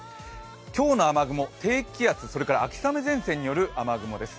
今日の雨雲、低気圧、秋雨前線による雨雲です。